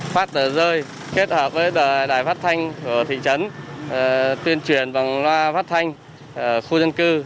phát tờ rơi kết hợp với đài phát thanh của thị trấn tuyên truyền bằng loa phát thanh khu dân cư